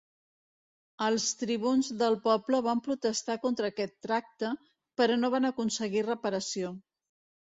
Els tribuns del poble van protestar contra aquest tracte però no van aconseguir reparació.